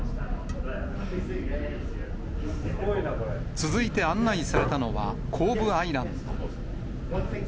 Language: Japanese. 続いて案内されたのは後部アイランド。